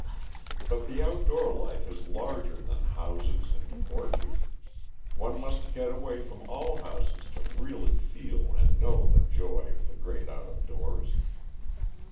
But the outdoor life is larger than houses and porches. One must get away from all houses to really feel and know the joy of the great out of doors.